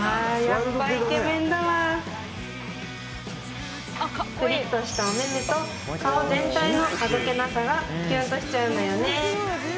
やっぱイケメンだわクリっとしたおめめと顔全体のあどけなさがキュンとしちゃうんだよね